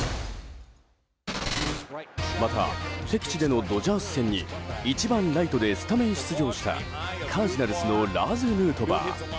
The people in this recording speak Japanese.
また、敵地でのドジャース戦に１番ライトでスタメン出場したカージナルスのラーズ・ヌートバー。